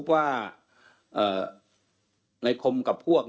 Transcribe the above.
มีพฤติกรรมเสพเมถุนกัน